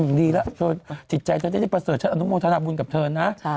อืมดีล่ะจิตใจจะได้ประเสริฐฉันอนุโมธนาบุญกับเธอนะ